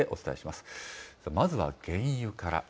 まずは原油から。